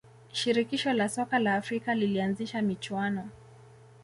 shirikisho la soka la afrika lilianzisha michuano